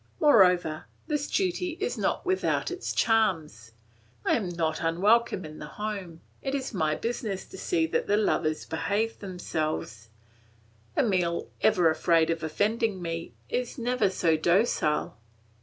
Moreover, this duty is not without its charms. I am not unwelcome in the home; it is my business to see that the lovers behave themselves; Emile, ever afraid of offending me, was never so docile.